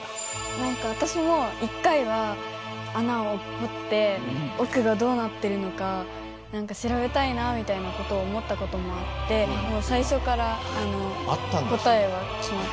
何か私も１回は穴を掘って奥がどうなってるのか調べたいなみたいなことを思ったこともあってもう最初から答えは決まって。